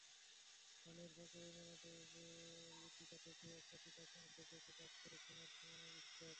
গানের ফাঁকে রবীন্দ্রনাথের লিপিকা থেকে কথিকা অংশটুকু পাঠ করে শোনান সুমনা বিশ্বাস।